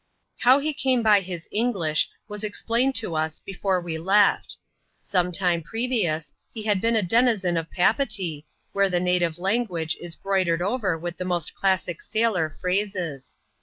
How he came by his English, was explained to us betbre we left. Some time previous, he had been a denizen of Papeetee, where the native language is broidered over with the most classic sailor phrases.